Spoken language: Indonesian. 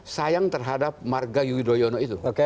sayang terhadap marga yudhoyono itu